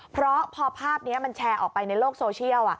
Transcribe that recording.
เพราะพอภาพนี้มันแชร์ออกไปในโลกโซเชียล